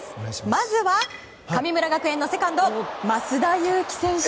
まずは神村学園のセカンド増田有紀選手。